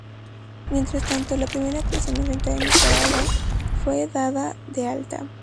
Mientras tanto, la primera persona infectada en Nicaragua, fue dada de alta.